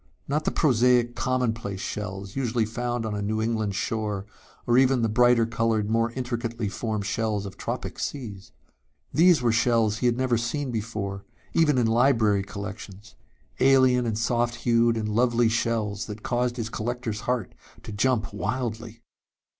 Not the prosaic commonplace shells usually found on a New England shore nor even the brighter colored, more intricately formed shells of tropic seas. These were shells he had never seen before, even in library collections. Alien and soft hued and lovely shells that caused his collector's heart to jump wildly.